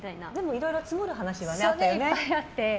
いろいろ積もる話はあったよね。